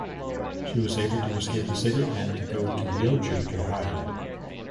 She was able to escape the city and go to Yeoju to hide.